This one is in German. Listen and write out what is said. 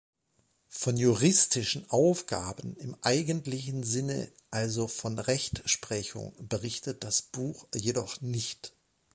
Von juristischen Aufgaben im eigentlichen Sinne, also von Rechtsprechung, berichtet das Buch jedoch nicht.